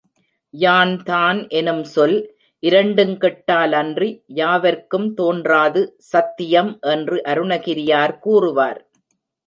யான்தான் எனும் சொல் இரண்டுங் கெட்டாலன்றி யாவருக்கும் தோன்றாது சத்தியம் என்று அருணகிரியார் கூறுவார்.